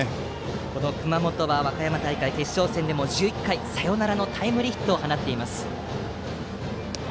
この熊本は和歌山大会決勝戦でも１１回、サヨナラのタイムリーヒットを放っています。